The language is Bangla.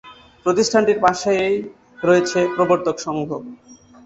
প্রতিষ্ঠানটির পাশেই রয়েছে প্রবর্তক সংঘ।